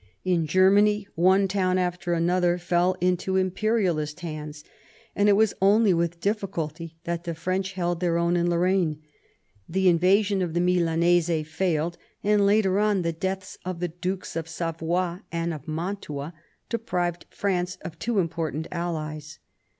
In Germany, one town after another fell into imperialist hands, and it was only with difficulty that the French held their own in Lorraine. The invasion of the Milanese failed ; and later on the deaths of the Dukes of Savoy and of Mantua deprived France of two important allies.